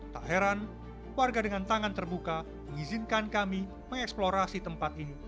tak heran warga dengan tangan terbuka mengizinkan kami mengeksplorasi tempat ini